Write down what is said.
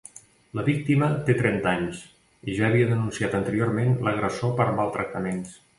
La víctima té trenta anys i ja havia denunciat anteriorment l’agressor per maltractaments.